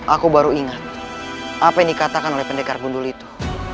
aku baru ingat apa yang dikatakan pendekar bundul itu